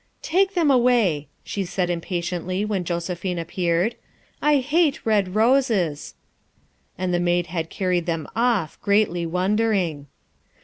" Take them away," she said impatiently when Jose phine appeared, " I hate red roses." And the maid had carried them off, greatly wondering.